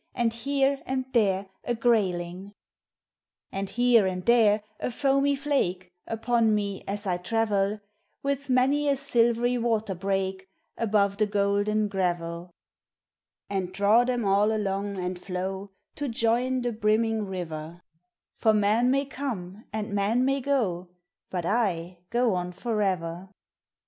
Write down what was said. And here and there a graj ling, And here and there a foamy flake Upon me, as I I ravel Witl> many a Bilverj waterbreak Above the golden gravel, 196 POEMS OF NATURE. And draw them all along, and flow To join the brimming river; For men may come and men may go, But I go on forever.